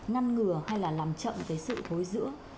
ngăn ngừa hay là làm chậm cái sự thối